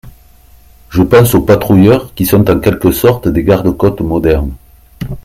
Je pense aux patrouilleurs, qui sont en quelque sorte des garde-côtes modernes.